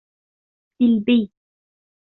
سلبي